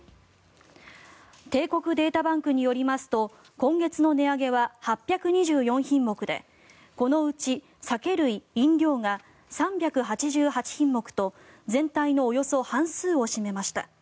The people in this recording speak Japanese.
帝国データバンクによりますと今月の値上げは８２４品目でこのうち酒類・飲料が３８８品目と全体のおよそ半数を占めました。